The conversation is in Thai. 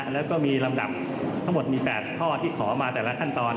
แล้วก็มีลำดับทั้งหมดมี๘ข้อที่ขอมาแต่ละขั้นตอน